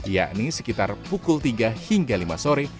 yakni sekitar pukul tiga hingga lima sore